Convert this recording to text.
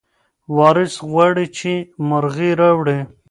وارث غواړي چې مرغۍ راوړي.